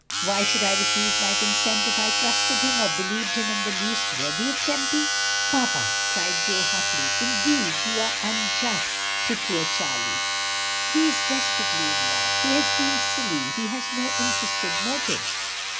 Why should I refuse my consent if I trusted him, or believed him in the least worthy of Tempy?" "Papa," cried Jo, hotly, "indeed you are unjust 234 ^^'^^^ DYMOND. to poor Charlie. He is desperately in love; he has been silly; he has no interested motives."